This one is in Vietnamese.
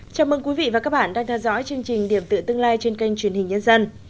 chào mừng quý vị và các bạn đang theo dõi chương trình điểm tựa tương lai trên kênh truyền hình nhân dân